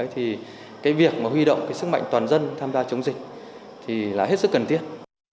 thì cái việc mà huy động cái sức mạnh toàn dân tham gia chống dịch thì là hết sức cần thiết